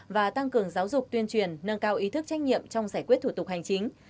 và tăng cường giáo dục tuyên truyền nâng cao ý thức trách nhiệm trong giải quyết thủ tục hành chính